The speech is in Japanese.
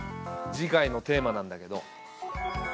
次回のテーマなんだけど。